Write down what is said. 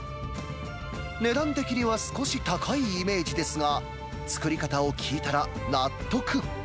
値段的には少し高いイメージですが、作り方を聞いたら、納得。